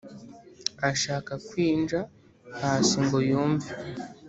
ashaka kwinja pasi ngo yumve